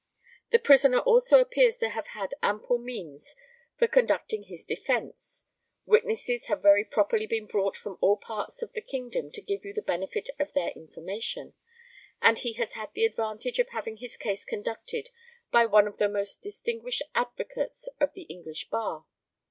The prisoner also appears to have had ample means for conducting his defence; witnesses have very properly been brought from all parts of the kingdom to give you the benefit of their information; and he has had the advantage of having his case conducted by one of the most distinguished advocates of the English bar.